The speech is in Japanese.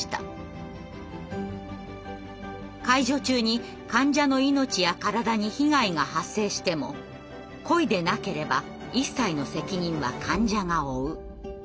「介助中に患者の命や体に被害が発生しても故意でなければ一切の責任は患者が負う」。